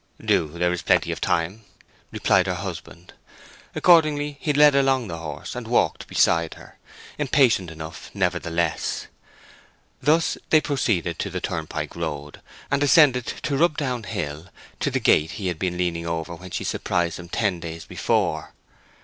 "Do; there's plenty of time," replied her husband. Accordingly he led along the horse, and walked beside her, impatient enough nevertheless. Thus they proceeded to the turnpike road, and ascended Rub Down Hill to the gate he had been leaning over when she surprised him ten days before.